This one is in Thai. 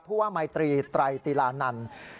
ผู้ว่ามายตรีไตรติลานันต์